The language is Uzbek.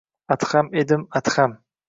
- "Adham edim, Adham!"